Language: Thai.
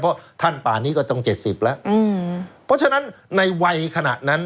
เพราะท่านป่านนี้ก็ต้อง๗๐ปีแล้วเพราะฉะนั้นในวัยขนาดนั้น